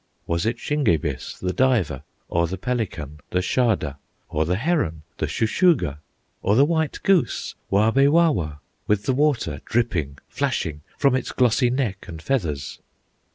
Was it Shingebis the diver? Or the pelican, the Shada? Or the heron, the Shuh shuh gah? Or the white goose, Waw be wawa, With the water dripping, flashing, From its glossy neck and feathers?